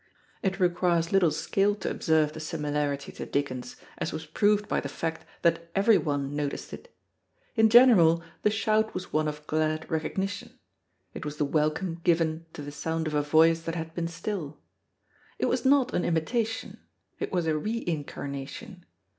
It requires little skill to observe the similarity to Dickens, as was proved by the fact that everyone noticed it. In general, the shout was one of glad recognition; it was the welcome given to the sound of a voice that had been still. It was not an imitation: it was a reincarnation.